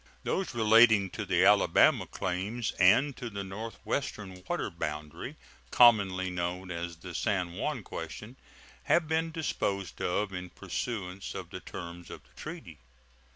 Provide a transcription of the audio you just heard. Those relating to the Alabama claims and to the northwestern water boundary, commonly known as the San Juan question, have been disposed of in pursuance of the terms of the treaty.